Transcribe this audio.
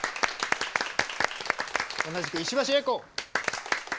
同じく石橋英子。